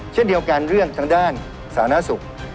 เช่นเดียวกันเรื่องทางด้านสาธารณสุข